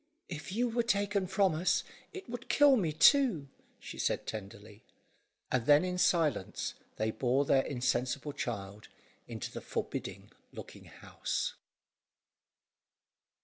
"If you were taken from us, it would kill me too," she said tenderly; and then in silence, they bore their insensible child into the forbidding looking house.